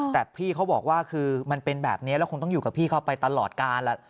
แต่พี่เขาบอกว่าคือมันเป็นแบบนี้แล้วคงต้องอยู่กับพี่เข้าไปตลอดการ